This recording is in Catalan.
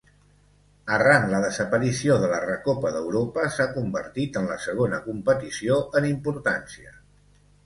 Arran la desaparició de la Recopa d'Europa s'ha convertit en la segona competició en importància.